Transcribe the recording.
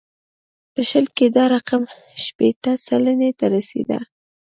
په شل کې دا رقم شپېته سلنې ته رسېده.